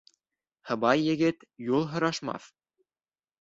Һыбай егет юл һорашмаҫ.